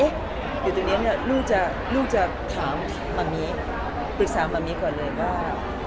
เอ๊ะอยู่ตรงนี้ลูกจะถามปรึกษาเมียก่อนเลยว่า